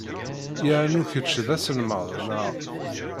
Yernu kečč d aselmad, naɣ?